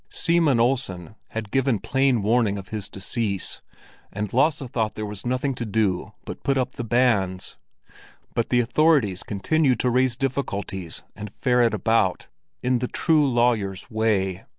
Seaman Olsen had given plain warning of his decease, and Lasse thought there was nothing to do but put up the banns; but the authorities continued to raise difficulties and ferret about, in the true lawyers' way.